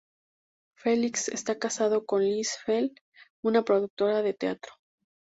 Felix está casado con Liz Fell una productora de teatro.